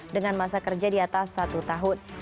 dengan masa kerja di atas satu tahun